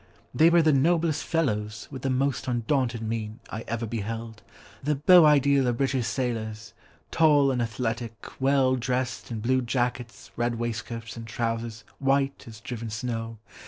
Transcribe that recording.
"They were the noblest fellows, with the most undaunted mien, I ever beheld—the beau ideal of British sailors; tall and athletic, well dressed, in blue jackets, red waistcoats, and trousers white as driven snow.